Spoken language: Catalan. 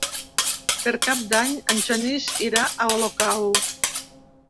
Per Cap d'Any en Genís irà a Olocau.